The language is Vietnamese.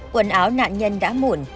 quần áo nạn nhân đã mủn